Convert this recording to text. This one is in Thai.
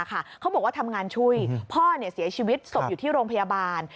เขาบอกว่าทำงานช่วยพ่อเสียชีวิตศพอยู่ที่โรงพยาบาล